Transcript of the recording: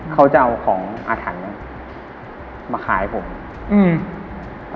เขาจะเอาของอาถันมาขายให้ผม